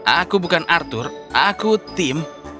aku bukan arthur aku tim